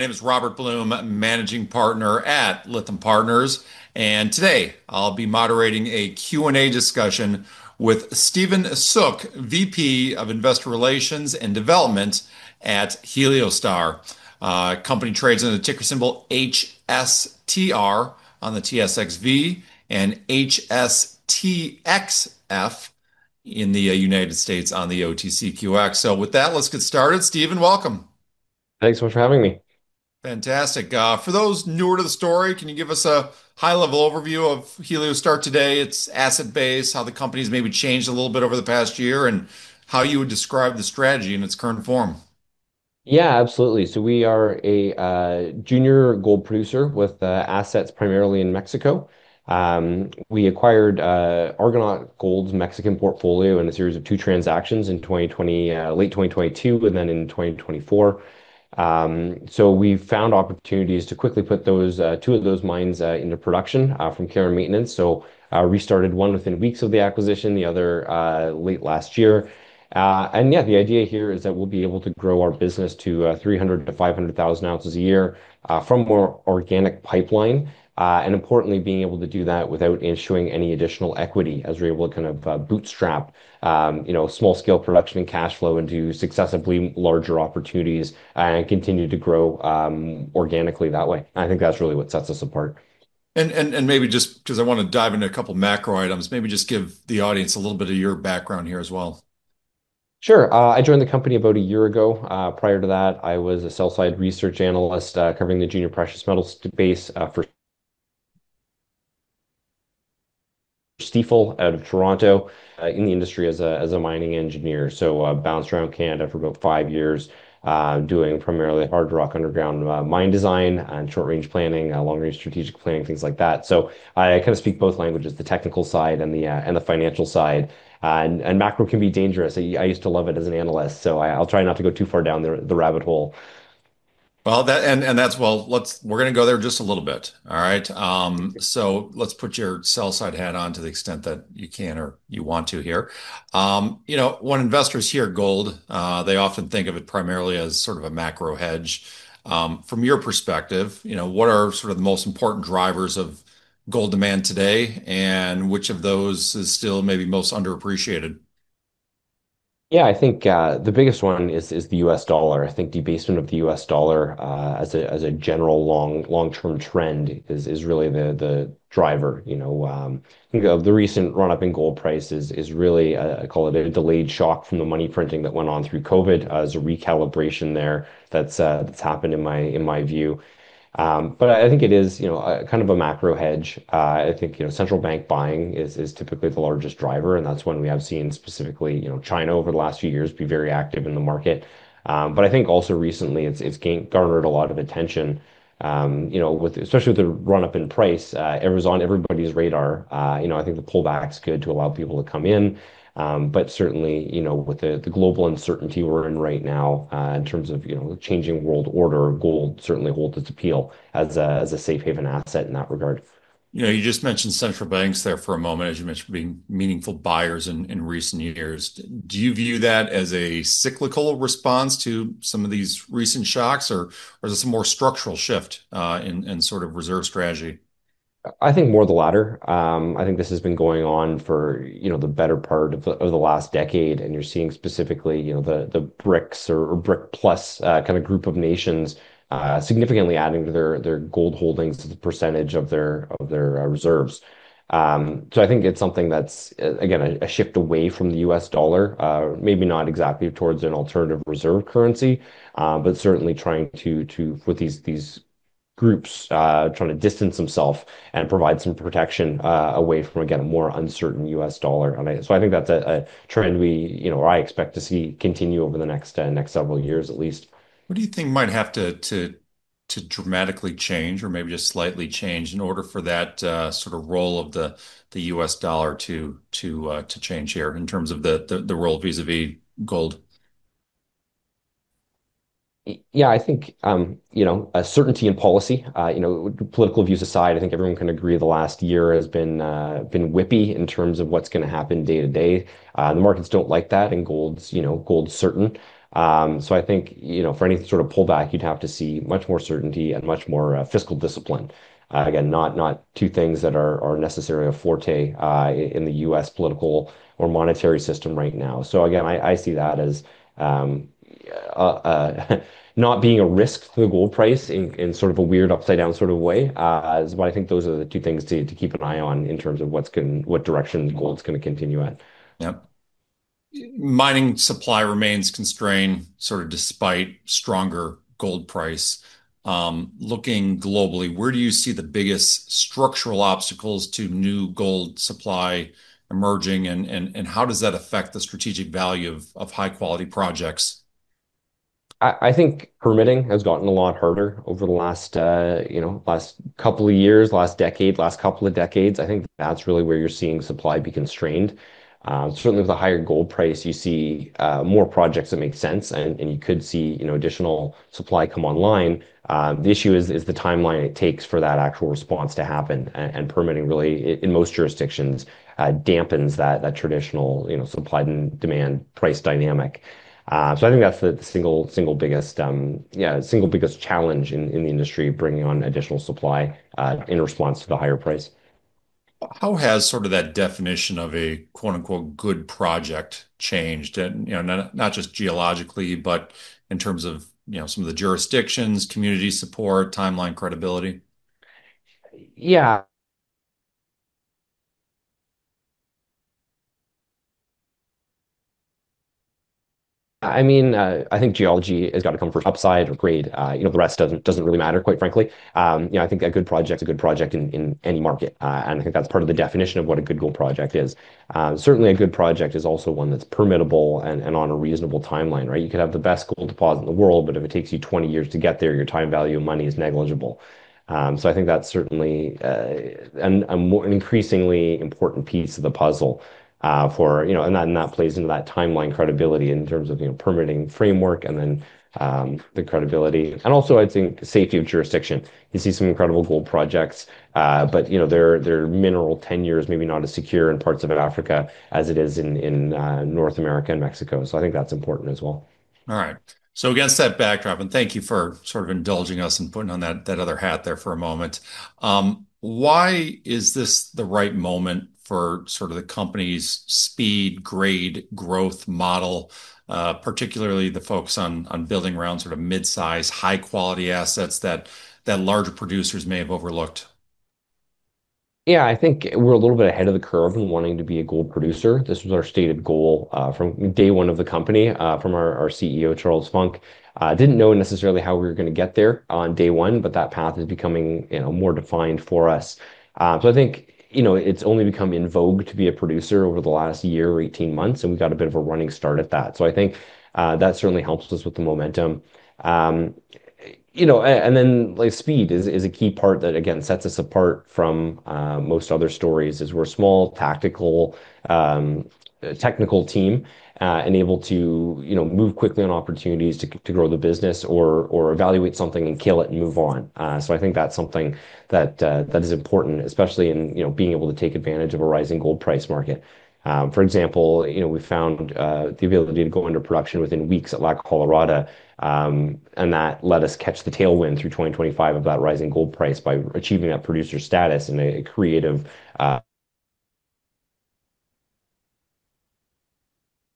My name is Robert Blum, Managing Partner at Lytham Partners, and today I'll be moderating a Q&A discussion with Stephen Soock, VP of Investor Relations and Development at Heliostar. Company trades under the ticker symbol HSTR on the TSXV and HSTXF in the United States on the OTCQX. With that, let's get started. Stephen, welcome. Thanks so much for having me. Fantastic. For those newer to the story, can you give us a high-level overview of Heliostar today, its asset base, how the company's maybe changed a little bit over the past year, and how you would describe the strategy in its current form? Yeah, absolutely. We are a junior gold producer with assets primarily in Mexico. We acquired Argonaut Gold's Mexican portfolio in a series of two transactions in 2020, late 2022 and then in 2024. We found opportunities to quickly put those two of those mines into production from care and maintenance. We restarted one within weeks of the acquisition, the other late last year. Yeah, the idea here is that we'll be able to grow our business to 300,000-500,000 ounces a year from more organic pipeline, and importantly being able to do that without issuing any additional equity as we're able to kind of bootstrap you know small scale production and cash flow into successively larger opportunities and continue to grow organically that way. I think that's really what sets us apart. Maybe just 'cause I wanna dive into a couple macro items, maybe just give the audience a little bit of your background here as well. Sure. I joined the company about a year ago. Prior to that, I was a sell-side research analyst, covering the junior precious metals base, for Stifel out of Toronto, in the industry as a mining engineer. I bounced around Canada for about five years, doing primarily hard rock underground, mine design and short-range planning, long-range strategic planning, things like that. I kind of speak both languages, the technical side and the financial side. Macro can be dangerous. I used to love it as an analyst, so I'll try not to go too far down the rabbit hole. We're gonna go there just a little bit. All right? Let's put your sell side hat on to the extent that you can or you want to here. You know, when investors hear gold, they often think of it primarily as sort of a macro hedge. From your perspective, you know, what are sort of the most important drivers of gold demand today, and which of those is still maybe most underappreciated? Yeah. I think the biggest one is the U.S. dollar. I think debasement of the U.S. dollar as a general long-term trend is really the driver, you know, of the recent run-up in gold prices is really call it a delayed shock from the money printing that went on through COVID as a recalibration there that's happened in my view. I think it is, you know, kind of a macro hedge. I think, you know, central bank buying is typically the largest driver, and that's one we have seen specifically, you know, China over the last few years be very active in the market. I think also recently it's garnered a lot of attention, you know, especially with the run-up in price, it was on everybody's radar. You know, I think the pullback's good to allow people to come in. Certainly, you know, with the global uncertainty we're in right now, in terms of, you know, changing world order, gold certainly holds its appeal as a safe haven asset in that regard. You know, you just mentioned central banks there for a moment, as you mentioned, being meaningful buyers in recent years. Do you view that as a cyclical response to some of these recent shocks, or is this a more structural shift in sort of reserve strategy? I think more the latter. I think this has been going on for, you know, the better part of the last decade, and you're seeing specifically, you know, the BRICS or BRICS+ kind of group of nations significantly adding to their gold holdings as a percentage of their reserves. I think it's something that's again a shift away from the U.S. dollar, maybe not exactly towards an alternative reserve currency, but certainly trying to distance themselves and provide some protection away from, again, a more uncertain U.S. dollar. I think that's a trend we, you know, or I expect to see continue over the next several years at least. What do you think might have to dramatically change or maybe just slightly change in order for that sort of role of the U.S. dollar to change here in terms of the role vis-à-vis gold? Yeah, I think you know a certainty in policy. You know, political views aside, I think everyone can agree the last year has been whippy in terms of what's gonna happen day to day. The markets don't like that, and gold's certain. So I think you know, for any sort of pullback, you'd have to see much more certainty and much more fiscal discipline. Again, not two things that are necessarily a forte in the U.S. political or monetary system right now. Again, I see that as not being a risk to the gold price in sort of a weird upside down sort of way, is what I think those are the two things to keep an eye on in terms of what direction gold's gonna continue at. Yep. Mining supply remains constrained sort of despite stronger gold price. Looking globally, where do you see the biggest structural obstacles to new gold supply emerging, and how does that affect the strategic value of high-quality projects? I think permitting has gotten a lot harder over the last, you know, last couple of years, last decade, last couple of decades. I think that's really where you're seeing supply be constrained. Certainly with the higher gold price, you see more projects that make sense and you could see, you know, additional supply come online. The issue is the timeline it takes for that actual response to happen. Permitting really in most jurisdictions dampens that traditional, you know, supply and demand price dynamic. I think that's the single biggest challenge in the industry bringing on additional supply in response to the higher price. How has sort of that definition of a, quote-unquote, good project changed? You know, not just geologically, but in terms of, you know, some of the jurisdictions, community support, timeline credibility. Yeah. I mean, I think geology has got to come from upside or grade. You know, the rest doesn't really matter, quite frankly. You know, I think a good project's a good project in any market. I think that's part of the definition of what a good gold project is. Certainly a good project is also one that's permittable and on a reasonable timeline, right? You could have the best gold deposit in the world, but if it takes you 20 years to get there, your time value of money is negligible. I think that's certainly an increasingly important piece of the puzzle for you know. That plays into that timeline credibility in terms of you know, permitting framework and then the credibility, and also I think safety of jurisdiction. You see some incredible gold projects, but, you know, their mineral tenure is maybe not as secure in parts of Africa as it is in North America and Mexico. I think that's important as well. All right. Against that backdrop, and thank you for sort of indulging us and putting on that other hat there for a moment, why is this the right moment for sort of the company's speed, grade, growth model, particularly the focus on building around sort of mid-size, high-quality assets that larger producers may have overlooked? Yeah. I think we're a little bit ahead of the curve in wanting to be a gold producer. This was our stated goal, from day one of the company, from our CEO, Charles Funk. Didn't know necessarily how we were gonna get there on day one, but that path is becoming, you know, more defined for us. I think, you know, it's only become in vogue to be a producer over the last year or 18 months, and we got a bit of a running start at that. I think, that certainly helps us with the momentum. You know, like, speed is a key part that again sets us apart from most other stories. We're a small, tactical, technical team and able to move quickly on opportunities to grow the business or evaluate something and kill it and move on. I think that's something that is important, especially in being able to take advantage of a rising gold price market. For example, you know, we found the ability to go into production within weeks at La Colorada, and that let us catch the tailwind through 2025 of that rising gold price by achieving that producer status in a creative,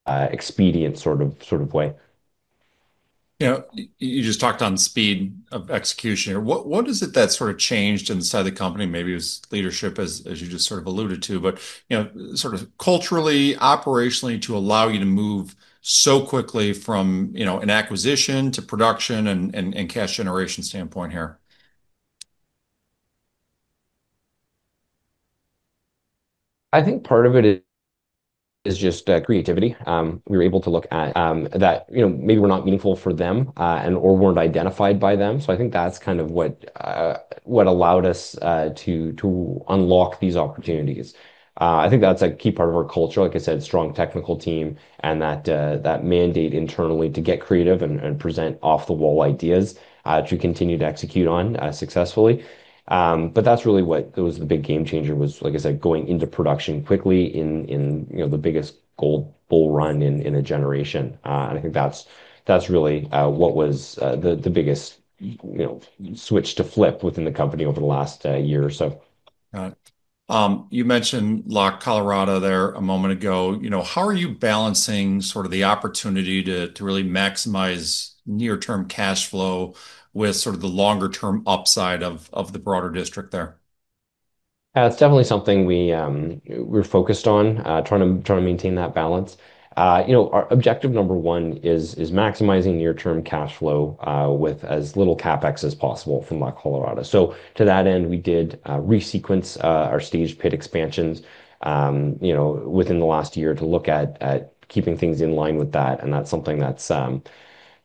expedient sort of way. You know, you just talked on speed of execution here. What is it that sort of changed inside the company, maybe it was leadership as you just sort of alluded to, but, you know, sort of culturally, operationally to allow you to move so quickly from, you know, an acquisition to production and cash generation standpoint here? I think part of it is just creativity. We were able to look at that, you know, maybe we're not meaningful for them and/or weren't identified by them. I think that's kind of what allowed us to unlock these opportunities. I think that's a key part of our culture, like I said, strong technical team and that mandate internally to get creative and present off-the-wall ideas to continue to execute on successfully. That's really what was the big game changer was, like I said, going into production quickly in, you know, the biggest gold bull run in a generation. I think that's really what was the biggest, you know, switch to flip within the company over the last year or so. Got it. You mentioned La Colorada there a moment ago. You know, how are you balancing sort of the opportunity to really maximize near-term cash flow with sort of the longer term upside of the broader district there? It's definitely something we're focused on, trying to maintain that balance. You know, our objective number one is maximizing near-term cash flow with as little CapEx as possible from La Colorada. To that end, we did resequence our stage pit expansions, you know, within the last year to look at keeping things in line with that, and that's something that's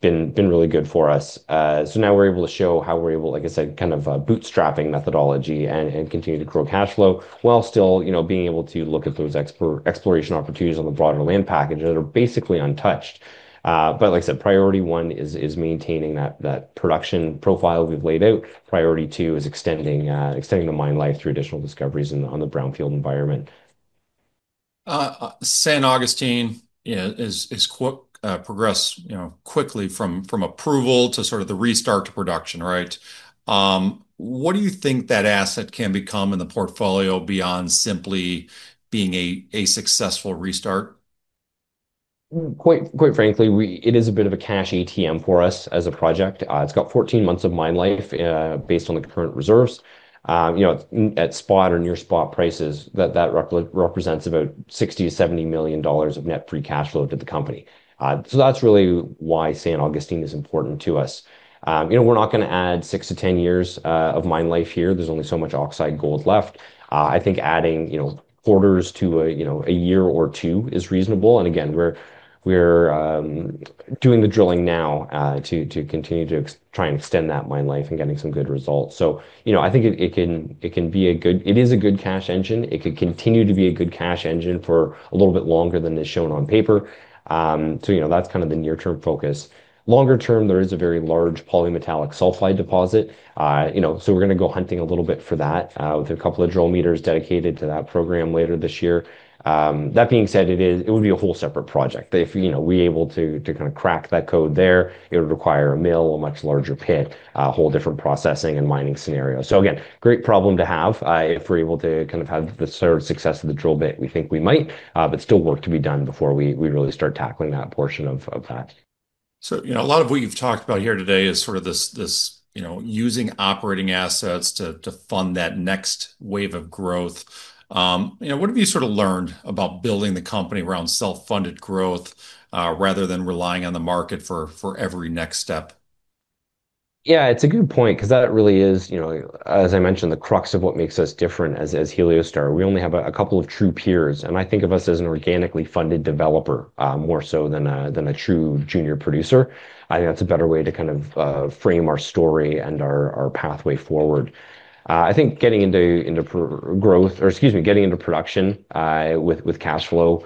been really good for us. Now we're able to show how we're able, like I said, kind of a bootstrapping methodology and continue to grow cash flow while still, you know, being able to look at those exploration opportunities on the broader land package that are basically untouched. Like I said, priority one is maintaining that production profile we've laid out. Priority two is extending the mine life through additional discoveries on the brownfield environment. San Agustin, you know, has progressed quickly from approval to sort of the restart to production, right? What do you think that asset can become in the portfolio beyond simply being a successful restart? Quite frankly, it is a bit of a cash ATM for us as a project. It's got 14 months of mine life based on the current reserves. You know, at spot or near spot prices, that represents about $60 million-$70 million of net free cash flow to the company. So that's really why San Agustin is important to us. You know, we're not gonna add six to 10 years of mine life here. There's only so much oxide gold left. I think adding quarters to a year or two is reasonable. We're doing the drilling now to continue to try and extend that mine life and getting some good results. You know, I think it can be a good It is a good cash engine. It could continue to be a good cash engine for a little bit longer than is shown on paper. You know, that's kind of the near-term focus. Longer term, there is a very large polymetallic sulfide deposit. You know, we're gonna go hunting a little bit for that, with a couple of drill meters dedicated to that program later this year. That being said, it would be a whole separate project. If you know, we're able to kind of crack that code there, it would require a mill, a much larger pit, a whole different processing and mining scenario. Again, great problem to have, if we're able to kind of have the sort of success of the drill bit. We think we might, but still work to be done before we really start tackling that portion of that. You know, a lot of what you've talked about here today is sort of this you know, using operating assets to fund that next wave of growth. you know, what have you sort of learned about building the company around self-funded growth, rather than relying on the market for every next step? Yeah, it's a good point 'cause that really is, you know, as I mentioned, the crux of what makes us different as Heliostar. We only have a couple of true peers, and I think of us as an organically funded developer more so than a true junior producer. I think that's a better way to kind of frame our story and our pathway forward. I think getting into production with cash flow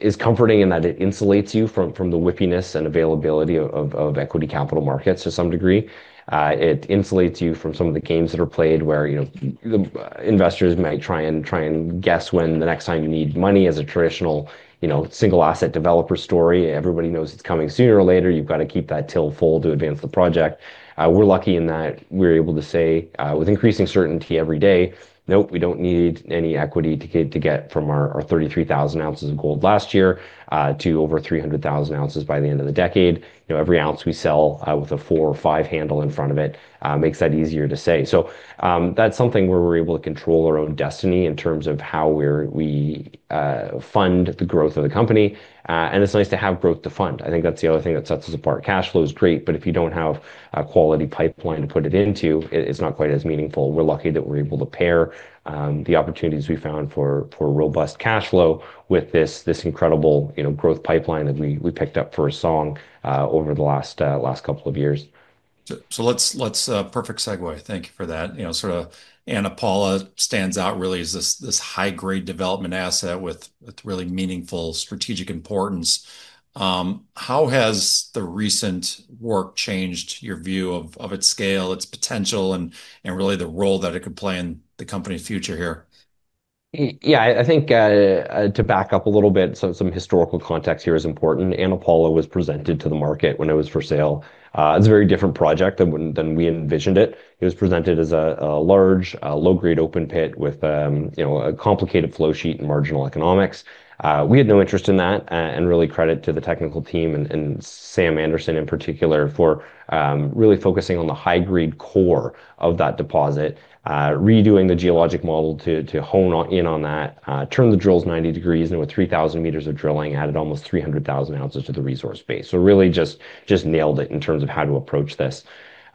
is comforting in that it insulates you from the whipiness and availability of equity capital markets to some degree. It insulates you from some of the games that are played where, you know, the investors might try and guess when the next time you need money as a traditional, you know, single asset developer story. Everybody knows it's coming sooner or later. You've got to keep that till full to advance the project. We're lucky in that we're able to say with increasing certainty every day, "Nope, we don't need any equity to get from our 33,000 ounces of gold last year to over 300,000 ounces by the end of the decade." You know, every ounce we sell with a four or five handle in front of it makes that easier to say. That's something where we're able to control our own destiny in terms of how we fund the growth of the company. It's nice to have growth to fund. I think that's the other thing that sets us apart. Cash flow is great, but if you don't have a quality pipeline to put it into, it's not quite as meaningful. We're lucky that we're able to pair the opportunities we found for robust cash flow with this incredible, you know, growth pipeline that we picked up for a song over the last couple of years. Perfect segue. Thank you for that. You know, sort of Ana Paula stands out really as this high-grade development asset with really meaningful strategic importance. How has the recent work changed your view of its scale, its potential and really the role that it could play in the company's future here? Yeah, I think, to back up a little bit. Some historical context here is important. Ana Paula was presented to the market when it was for sale. It's a very different project than when we envisioned it. It was presented as a large low-grade open pit with, you know, a complicated flow sheet and marginal economics. We had no interest in that, and really credit to the technical team and Sam Anderson in particular for really focusing on the high-grade core of that deposit, redoing the geologic model to hone in on that, turn the drills 90 degrees, and with 3,000 m of drilling, added almost 300,000 ounces to the resource base. Really just nailed it in terms of how to approach this.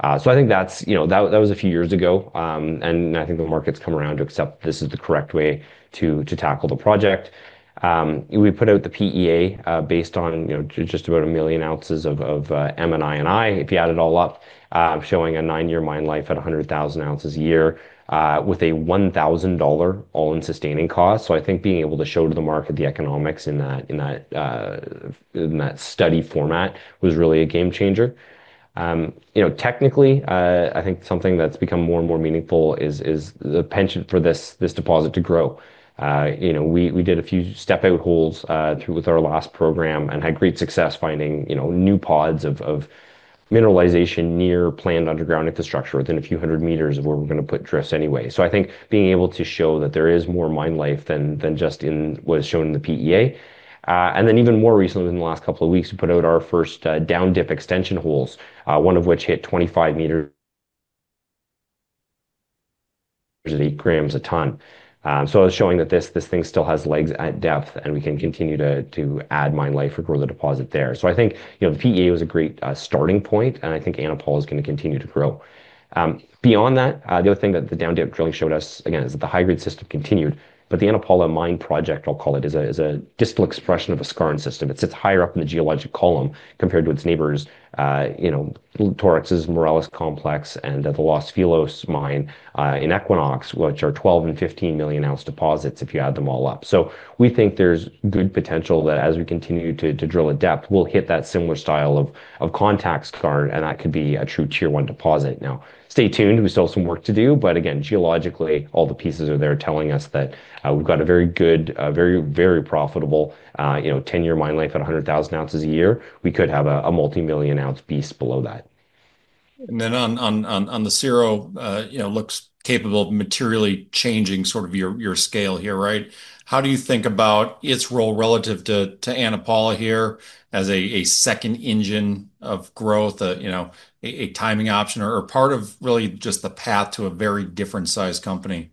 I think that's, you know, that was a few years ago. I think the market's come around to accept this is the correct way to tackle the project. We put out the PEA, based on, you know, just about 1 million ounces of M&I and inferred, if you add it all up, showing a nine-year mine life at 100,000 ounces a year, with a $1,000 all-in sustaining cost. I think being able to show to the market the economics in that study format was really a game changer. You know, technically, I think something that's become more and more meaningful is the penchant for this deposit to grow. You know, we did a few step-out holes through with our last program and had great success finding, you know, new pods of mineralization near planned underground infrastructure within a few hundred meters of where we're gonna put drifts anyway. I think being able to show that there is more mine life than just in what is shown in the PEA. Even more recently in the last couple of weeks, we put out our first down-dip extension holes, one of which hit 25 g a ton. It's showing that this thing still has legs at depth, and we can continue to add mine life or grow the deposit there. I think, you know, the PEA was a great starting point, and I think Ana Paula is gonna continue to grow. Beyond that, the other thing that the down-dip drilling showed us again is that the high-grade system continued, but the Ana Paula mine project, I'll call it, is a distal expression of a skarn system. It sits higher up in the geologic column compared to its neighbors, you know, Torex's Morelos complex and the Los Filos mine in Equinox, which are 12-million and 15-million-ounce deposits if you add them all up. We think there's good potential that as we continue to drill at depth, we'll hit that similar style of contact skarn, and that could be a true Tier One deposit. Stay tuned. We still have some work to do, but again, geologically, all the pieces are there telling us that we've got a very good, very, very profitable, you know, 10-year mine life at 100,000 ounces a year. We could have a multimillion-ounce beast below that. On the Cerro, you know, looks capable of materially changing sort of your scale here, right? How do you think about its role relative to Ana Paula here as a second engine of growth, you know, a timing option or part of really just the path to a very different sized company?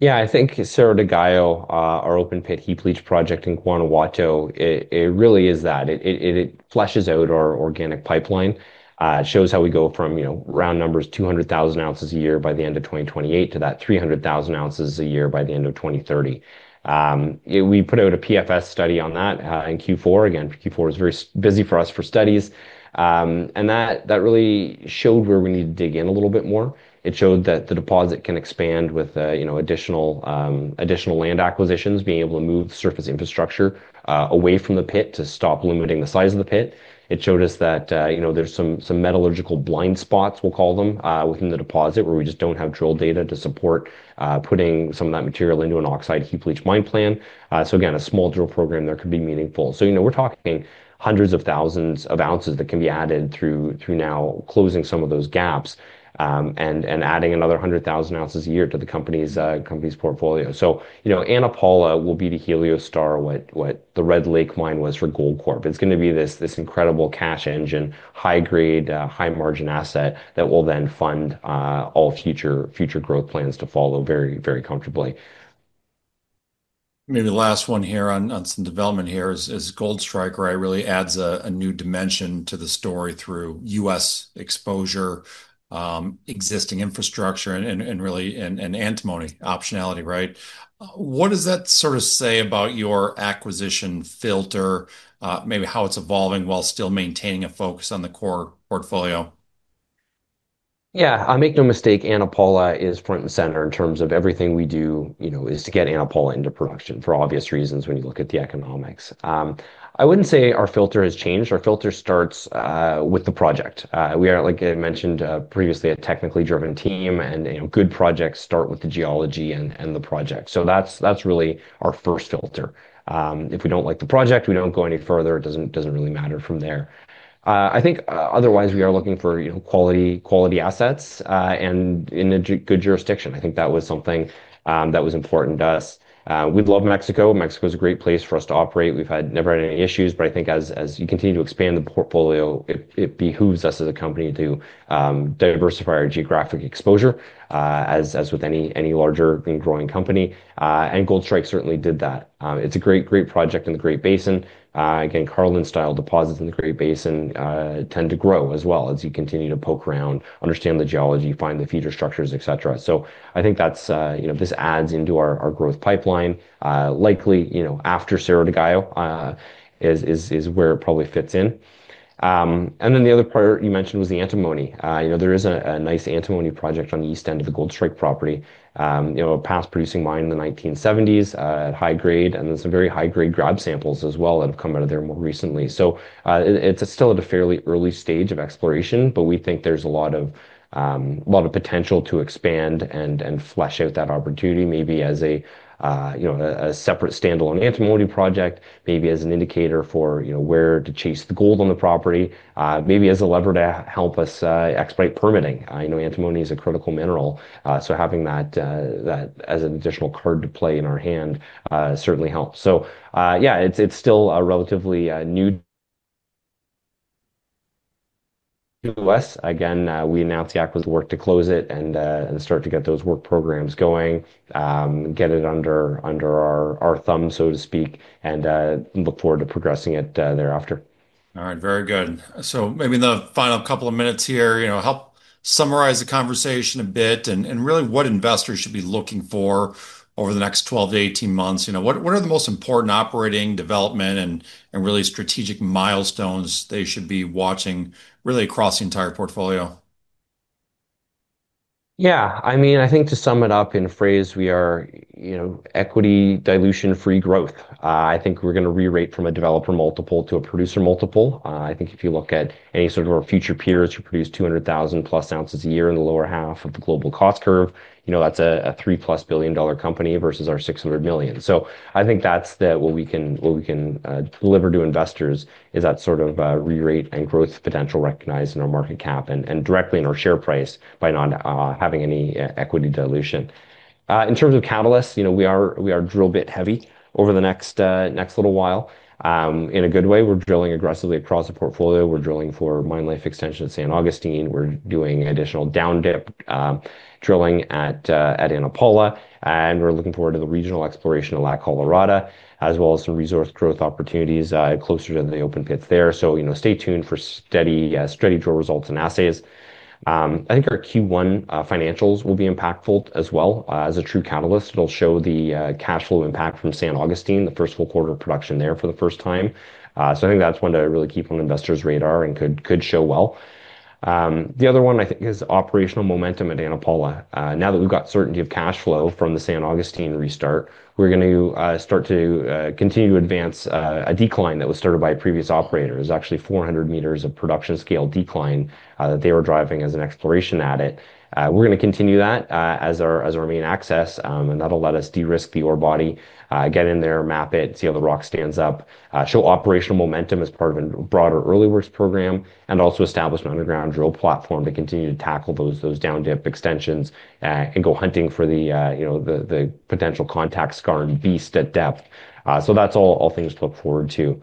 Yeah. I think Cerro de Gallo, our open pit heap leach project in Guanajuato, it fleshes out our organic pipeline, shows how we go from, you know, round numbers, 200,000 ounces a year by the end of 2028 to that 300,000 ounces a year by the end of 2030. We put out a PFS study on that in Q4. Again, Q4 was very busy for us for studies. That really showed where we need to dig in a little bit more. It showed that the deposit can expand with, you know, additional land acquisitions, being able to move surface infrastructure away from the pit to stop limiting the size of the pit. It showed us that, you know, there's some metallurgical blind spots, we'll call them, within the deposit where we just don't have drill data to support, putting some of that material into an oxide heap leach mine plan. Again, a small drill program there could be meaningful. You know, we're talking hundreds of thousands of ounces that can be added through now closing some of those gaps, and adding another 100,000 ounces a year to the company's portfolio. You know, Ana Paula will be to Heliostar what the Red Lake Mine was for Goldcorp. It's gonna be this incredible cash engine, high grade, high margin asset that will then fund, all future growth plans to follow very comfortably. Maybe the last one here on some development here is Goldstrike, right? Really adds a new dimension to the story through U.S. exposure, existing infrastructure and really antimony optionality, right? What does that sort of say about your acquisition filter, maybe how it's evolving while still maintaining a focus on the core portfolio? Yeah. Make no mistake, Ana Paula is front and center in terms of everything we do, you know, is to get Ana Paula into production for obvious reasons when you look at the economics. I wouldn't say our filter has changed. Our filter starts with the project. We are, like I mentioned previously, a technically driven team and, you know, good projects start with the geology and the project. So that's really our first filter. If we don't like the project, we don't go any further. It doesn't really matter from there. I think otherwise we are looking for, you know, quality assets and in a good jurisdiction. I think that was something that was important to us. We love Mexico. Mexico's a great place for us to operate. We've never had any issues, but I think as you continue to expand the portfolio, it behooves us as a company to diversify our geographic exposure, as with any larger and growing company. Goldstrike certainly did that. It's a great project in the Great Basin. Again, Carlin-style deposits in the Great Basin tend to grow as well as you continue to poke around, understand the geology, find the future structures, et cetera. I think that's, you know, this adds into our growth pipeline, likely, you know, after Cerro de Gallo is where it probably fits in. Then the other part you mentioned was the antimony. You know, there is a nice antimony project on the east end of the Goldstrike property, you know, a past producing mine in the 1970s, at high grade, and then some very high-grade grab samples as well have come out of there more recently. It's still at a fairly early stage of exploration, but we think there's a lot of potential to expand and flesh out that opportunity maybe as a separate standalone antimony project, maybe as an indicator for where to chase the gold on the property, maybe as a lever to help us expedite permitting. I know antimony is a critical mineral, so having that as an additional card to play in our hand certainly helps. Yeah, it's still a relatively new to the West. Again, we announced the acquisition, work to close it and start to get those work programs going, get it under our thumb, so to speak, and look forward to progressing it thereafter. All right. Very good. Maybe in the final couple of minutes here, you know, help summarize the conversation a bit and really what investors should be looking for over the next 12-18 months. You know, what are the most important operating development and really strategic milestones they should be watching really across the entire portfolio? Yeah. I mean, I think to sum it up in a phrase, we are, you know, equity dilution-free growth. I think we're gonna re-rate from a developer multiple to a producer multiple. I think if you look at any sort of our future peers who produce 200,000+ ounces a year in the lower half of the global cost curve, you know, that's a $3+ billion company versus our $600 million. I think that's what we can deliver to investors is that sort of re-rate and growth potential recognized in our market cap and directly in our share price by not having any equity dilution. In terms of catalysts, you know, we are drill bit heavy over the next little while in a good way. We're drilling aggressively across the portfolio. We're drilling for mine life extension at San Agustin. We're doing additional down-dip drilling at Ana Paula, and we're looking forward to the regional exploration of La Colorada, as well as some resource growth opportunities closer to the open pits there. You know, stay tuned for steady drill results and assays. I think our Q1 financials will be impactful as well as a true catalyst. It'll show the cash flow impact from San Agustin, the first full quarter of production there for the first time. I think that's one to really keep on investors' radar and could show well. The other one I think is operational momentum at Ana Paula. Now that we've got certainty of cash flow from the San Agustin restart, we're going to start to continue to advance a decline that was started by a previous operator. It was actually 400 m of production scale decline that they were driving as an exploration adit. We're gonna continue that as our main access, and that'll let us de-risk the ore body, get in there, map it, see how the rock stands up, show operational momentum as part of a broader early works program, and also establish an underground drill platform to continue to tackle those down-dip extensions, and go hunting for the you know, the potential contact skarn and beast at depth. That's all things to look forward to.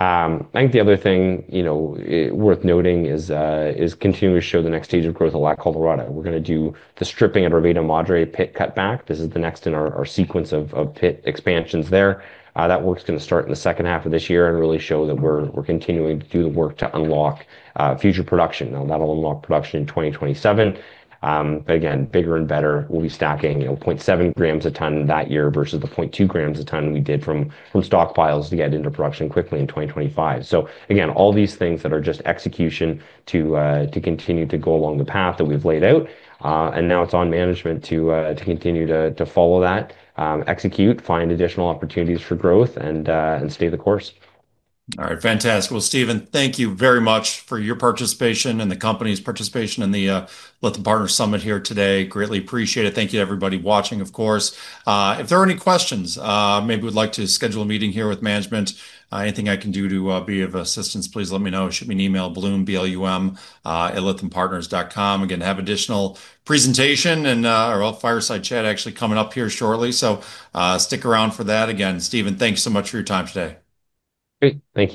I think the other thing, you know, worth noting is continuing to show the next stage of growth at La Colorada. We're gonna do the stripping at our Veta Madre pit cut back. This is the next in our sequence of pit expansions there. That work's gonna start in the second half of this year and really show that we're continuing to do the work to unlock future production. Now, that'll unlock production in 2027. Again, bigger and better. We'll be stacking, you know, 0.7 g a ton that year versus the 0.2 g a ton we did from stockpiles to get into production quickly in 2025. Again, all these things that are just execution to continue to go along the path that we've laid out, and now it's on management to continue to follow that, execute, find additional opportunities for growth, and stay the course. All right. Fantastic. Well, Stephen, thank you very much for your participation and the company's participation in the Lytham Partners Summit here today. Greatly appreciate it. Thank you to everybody watching, of course. If there are any questions, maybe you would like to schedule a meeting here with management, anything I can do to be of assistance, please let me know. Shoot me an email, Blum, B-L-U-M@lythampartners.com. Again, have additional presentation and well, fireside chat actually coming up here shortly. So, stick around for that. Again, Stephen, thanks so much for your time today. Great. Thank you.